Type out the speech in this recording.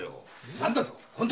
何だと？